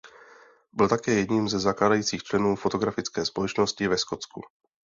Byl také jedním ze zakládajících členů fotografické společnosti ve Skotsku.